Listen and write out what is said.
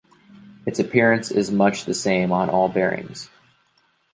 Its appearance is much the same on all bearings.